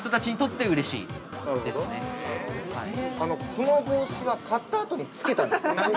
◆この帽子は、買ったあとにつけたんですか？